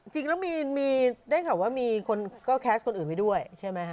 จริงแล้วมีได้ข่าวว่ามีคนก็แคสต์คนอื่นไว้ด้วยใช่ไหมฮะ